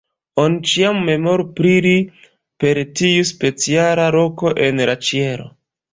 Oni ĉiam memoru pri li per tiu speciala loko en la ĉielo.